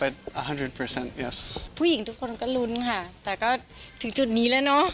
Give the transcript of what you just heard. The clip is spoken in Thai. แต่ทุกคนก็รุ้นค่ะแต่ก็ถึงจุดนี้แล้วเนอะ